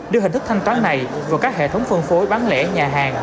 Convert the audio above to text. đưa hình thức thanh toán này vào các hệ thống phân phối bán lẻ nhà hàng